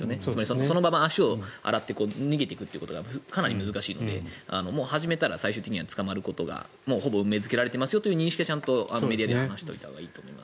そのまま足を洗って逃げていくことがかなり難しいので始めたら最終的には捕まることが運命付けられているという認識はメディアで話しておいたほうがいいと思います。